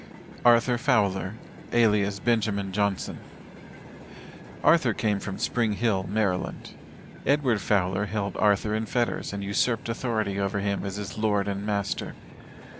ARTHUR FOWLER, ALIAS BENJAMIN JOHNSON. Arthur came from Spring Hill, Maryland. Edward Fowler held Arthur in fetters and usurped authority over him as his lord and master.